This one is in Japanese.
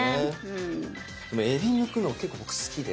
でもえびむくの結構僕好きで。